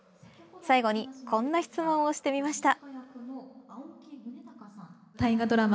最後にこんな質問をしてみました。